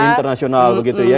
internasional begitu ya